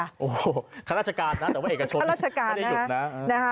โอ้โหข้าราชการนะแต่ว่าเอกชนไม่ได้หยุดนะ